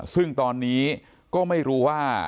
ซึ่งตอนนี้ก็ไม่รู้ว่า